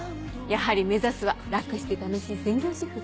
やはり目指すは楽して楽しい専業主婦？